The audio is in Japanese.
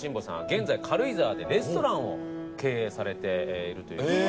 現在軽井沢でレストランを経営されていると。